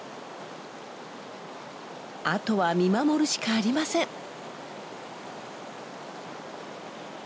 あとは見守るしかありません。